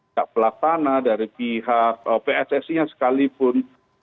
tak pelatana dari pihak pssi nya sekalipun